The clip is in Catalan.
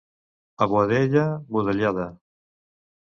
A Boadella, budellada.